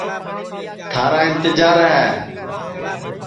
تھارا اِنتجار ہے